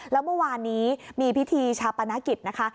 แล้วเมื่อวานนี้มีพิธีชาปนกิจนะคะ